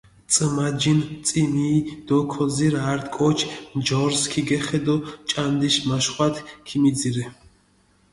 წჷმაჯინჷ წჷმიი დო ქოძირჷ, ართი კოჩი ნჯორსჷ ქიგეხენდო ჭანდიში მაშხვათჷ ქიმიძირე.